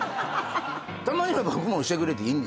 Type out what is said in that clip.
たまには僕もしてくれていい。